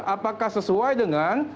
apakah sesuai dengan